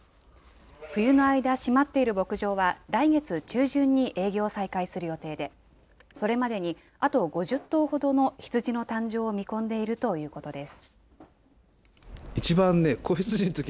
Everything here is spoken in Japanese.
冬の間、閉まっている牧場は来月中旬に営業を再開する予定で、それまでにあと５０頭ほどの羊の誕生を見込んでいるということです。